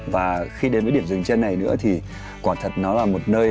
và khi đến với điểm rừng trên này nữa thì quả thật nó là một nơi